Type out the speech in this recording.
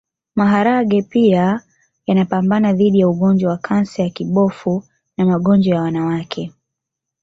Maharage pia yanapambana dhidi ya ugonjwa wa kansa ya kibofu na magonjwa ya wanawake